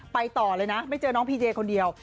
ต่อเลยนะไม่เจอน้องพีเจคนเดียว